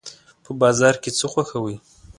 په بازار کې څه خوښوئ؟